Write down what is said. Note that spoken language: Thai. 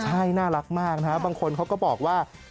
ใช่น่ารักมากนะบางคนก็บอกว่า